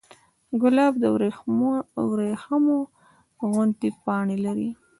ګلاب د وریښمو غوندې پاڼې لري.